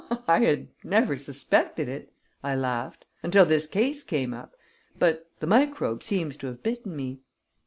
"I had never suspected it," I laughed, "until this case came up, but the microbe seems to have bitten me."